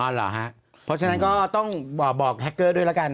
อ๋อเหรอฮะเพราะฉะนั้นก็ต้องบอกแฮคเกอร์ด้วยละกัน